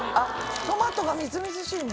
トマトがみずみずしいね。